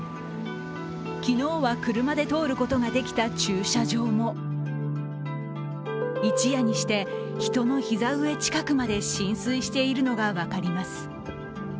昨日は、車で通ることができた駐車場も、一夜にして人のひざ上近くまで浸水しているのが分かります。